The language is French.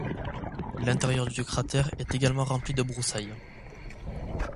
L'intérieur du cratère est également rempli de broussailles.